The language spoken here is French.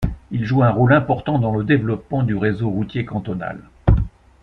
Il joue un rôle important dans le développement du réseau routier cantonal.